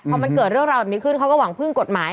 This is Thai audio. พอมันเกิดเรื่องราวแบบนี้ขึ้นเขาก็หวังพึ่งกฎหมาย